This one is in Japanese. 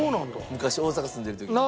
昔大阪住んでる時に。